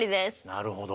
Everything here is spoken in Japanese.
なるほど。